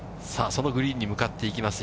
そのグリーンに向かっていきます